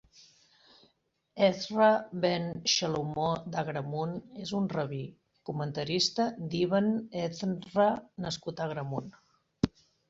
Ezra ben Xelomó d'Agramunt és un rabí, comentarista d'Ibn Ezra nascut a Agramunt.